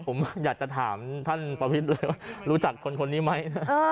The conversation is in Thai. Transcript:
ผมอยากจะถามท่านประพิษรู้จักคนนี้ไหม